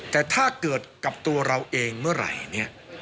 แต่ถ้าเกิดกับตัวเราเองเมื่อไหร่เนี่ย